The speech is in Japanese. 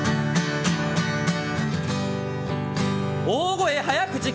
大声早口